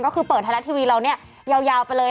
ก็คือเปิดไทยรัฐทีวีเราเนี่ยยาวไปเลย